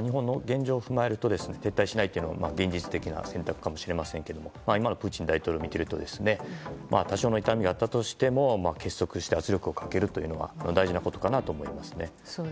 日本の現状を踏まえると撤退しないというのが現実的な選択かもしれませんが今のプーチン大統領を見ていると多少の痛みがあったとしても結束して圧力をかけるというのが大事なことかなと思いますね。